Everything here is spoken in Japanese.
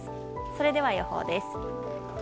それでは予報です。